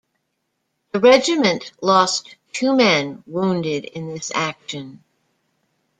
The regiment lost two men wounded in this action.